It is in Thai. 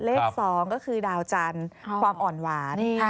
เลข๒ก็คือดาวจันทร์ความอ่อนหวาน